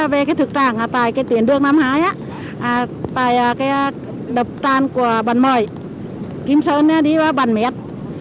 về thực trạng tại tuyến đường năm mươi hai đập tràn của bản mởi kim sơn đi vào bản mẹt